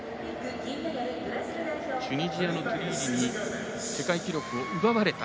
チュニジアのトゥリーリに世界記録を奪われた。